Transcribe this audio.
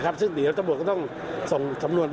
พตรพูดถึงเรื่องนี้ยังไงลองฟังกันหน่อยค่ะ